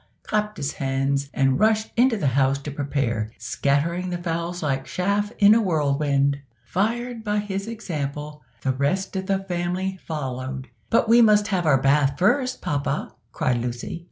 clapped his hands, and rushed into the house to prepare, scattering the fowls like chaff in a whirlwind. Fired by his example, the rest of the family followed. "But we must have our bathe first, papa," cried Lucy.